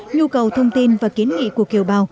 nhu cầu thông tin và kiến nghị của kiều bào